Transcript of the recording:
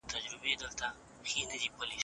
ولي ځینې کورنۍ د کمزورۍ او تعصبو سره مخامخ کیږي؟